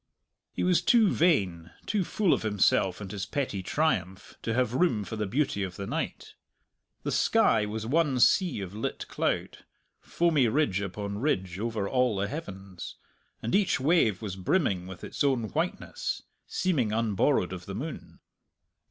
He was too vain, too full of himself and his petty triumph, to have room for the beauty of the night. The sky was one sea of lit cloud, foamy ridge upon ridge over all the heavens, and each wave was brimming with its own whiteness, seeming unborrowed of the moon.